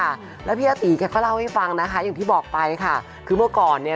ค่ะแล้วพี่อาตีแกก็เล่าให้ฟังนะคะอย่างที่บอกไปค่ะคือเมื่อก่อนเนี้ย